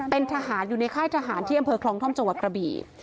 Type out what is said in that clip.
เป็นทหารอยู่ในค่ายทหารที่อำเภอคลองท่อมจังหวัดกระบี่